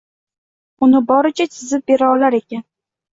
Uni boricha chizib bera olar ekan.